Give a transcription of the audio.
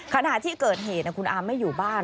ขณะที่เกิดเหตุคุณอามไม่อยู่บ้าน